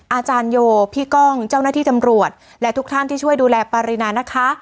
อาจารย์โยพี่ก้องเจ้าหน้าที่ตำรวจและทุกท่านที่ช่วยดูแลปรินานะคะ